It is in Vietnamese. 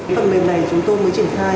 phần mềm này chúng tôi mới triển khai